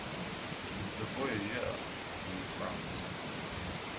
He was a voyageur for New France.